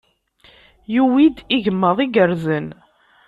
Yuwi-d igmaḍ igerrzen.